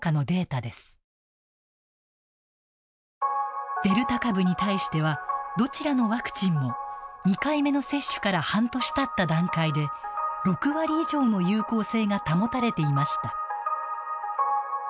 デルタ株に対してはどちらのワクチンも２回目の接種から半年たった段階で６割以上の有効性が保たれていました。